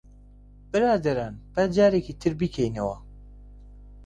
برادەران، با جارێکی تر بیکەینەوە.